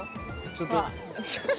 ちょっと。